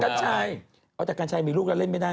กัญชัยเอาแต่กัญชัยมีลูกแล้วเล่นไม่ได้